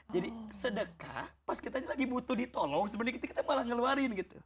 jadi sedekah pas kita lagi butuh ditolong sebenarnya kita malah ngeluarin gitu